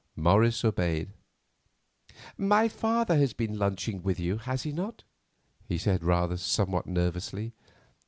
Morris obeyed. "My father has been lunching with you, has he not?" he said somewhat nervously.